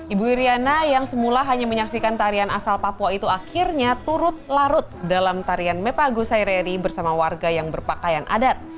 ibu iryana yang semula hanya menyaksikan tarian asal papua itu akhirnya turut larut dalam tarian mepagosaireri bersama warga yang berpakaian adat